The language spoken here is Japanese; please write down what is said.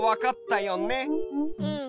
うん。